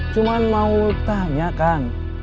cuma mau tanyakan